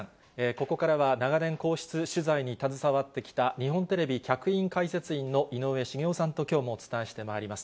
ここからは長年、皇室取材に携わってきた日本テレビ客員解説員の井上茂男さんときょうもお伝えしてまいります。